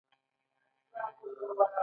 پرلې بډۍ دې خاورې مه خوره